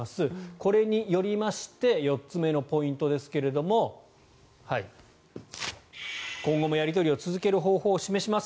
これによりまして４つ目のポイントですが今後もやり取りを続ける方法を示します。